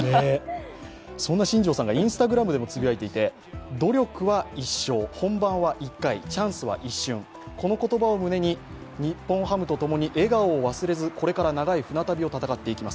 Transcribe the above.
そんな新庄さんがＩｎｓｔａｇｒａｍでもつぶやいていて、努力は一生本番は一回、チャンスは一瞬、この言葉を胸に日本ハムとともに笑顔を忘れずこれから長い船旅を戦っていきます。